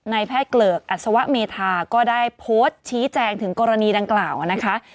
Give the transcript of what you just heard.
แพทย์เกลิกอัศวะเมธาก็ได้โพสต์ชี้แจงถึงกรณีดังกล่าวนะคะ